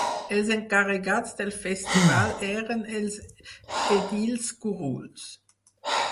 Els encarregats del festival eren els edils curuls.